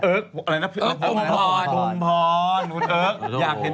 เอิ๊กอะไรนะ